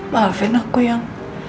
maafin aku yang